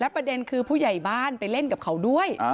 ประเด็นผู้ใหญ่บ้านไปเล่นด้วย